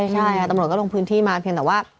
ใช่ค่ะตำรวจก็ลงพื้นที่มาเพียงแต่ว่า